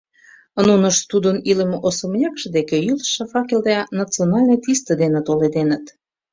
Нунышт тудын илыме особнякше деке йӱлышӧ факел да национальный тисте дене толеденыт.